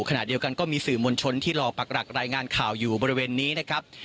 ขณะเดียวกันก็มีสื่อมวลชนที่รอปักหลักรายงานข่าวอยู่บริเวณนี้นะครับ